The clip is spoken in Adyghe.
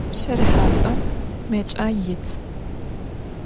Pşerıhap'em meç'ai yit.